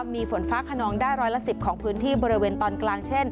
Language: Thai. มีฝนฟ้าขนองได้ร้อยละ๑๐ของพื้นที่บริเวณตอนกลางเช่น